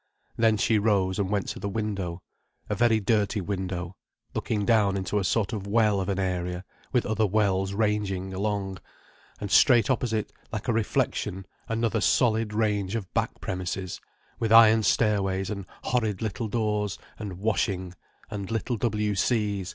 Then she rose and went to the window: a very dirty window, looking down into a sort of well of an area, with other wells ranging along, and straight opposite like a reflection another solid range of back premises, with iron stair ways and horrid little doors and washing and little W. C.